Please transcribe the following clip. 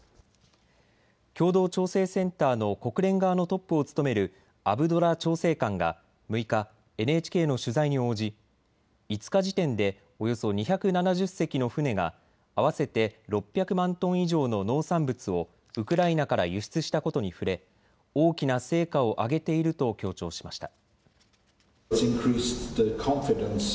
共同調整センターの国連側のトップを務めるアブドラ調整官が６日、ＮＨＫの取材に応じ、５日時点でおよそ２７０隻の船が合わせて６００万トン以上の農産物をウクライナから輸出したことに触れ大きな成果を上げていると強調しました。